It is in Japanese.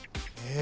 え！